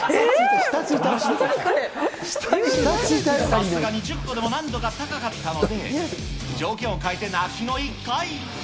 さすがに１０個でも難度が高かったので、条件を変えて泣きの１回。